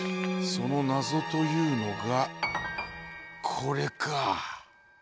その「なぞ」というのがこれか。